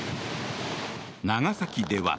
長崎では。